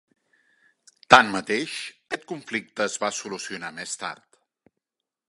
Tanmateix, aquest conflicte es va solucionar més tard.